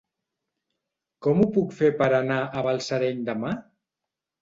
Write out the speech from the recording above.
Com ho puc fer per anar a Balsareny demà?